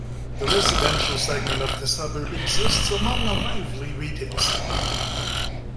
The residential segment of the suburb exists among a lively retail sector.